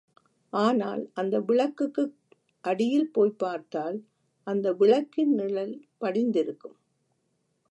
ஆனால் அந்த விளக்குக்கு அடியில் போய்ப் பார்த்தால், அந்த விளக்கின் நிழல் படிந்திருக்கும்.